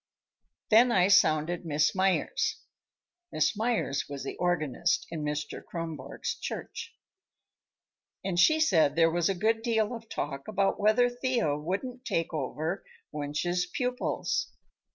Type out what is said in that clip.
Then I sounded Miss Meyers" (Miss Meyers was the organist in Mr. Kronborg's church) "and she said there was a good deal of talk about whether Thea wouldn't take over Wunsch's pupils.